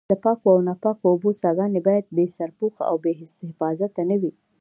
د پاکو او ناپاکو اوبو څاګانې باید بې سرپوښه او بې حفاظته نه وي.